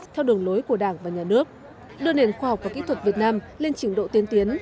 theo đường lối của đảng và nhà nước đưa nền khoa học và kỹ thuật việt nam lên trình độ tiến tiến